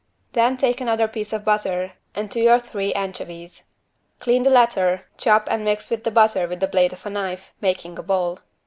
Then take another piece of butter and two or three anchovies. Clean the latter, chop and mix with the butter with the blade of a knife, making a ball.